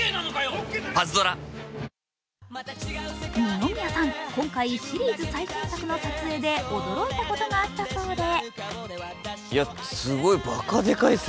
二宮さん、今回、シリーズ最新作の撮影で驚いたことがあったそうで。